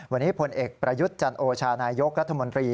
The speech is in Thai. วันนี้พลเอกประยุทธ์จันโอชานายกรัฐมนตรี